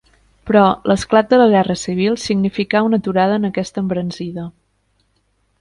Però, l'esclat de la Guerra Civil significà una aturada en aquesta embranzida.